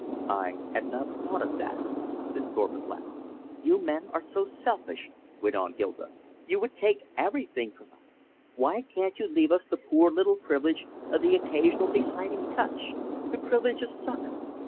"I had not thought of that," said Thorpe at last. "You men are so selfish," went on Hilda. "You would take everything from us. Why can't you leave us the poor little privilege of the occasional deciding touch, the privilege of succor.